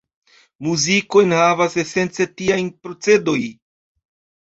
Muziko enhavas esence tiajn procedoj.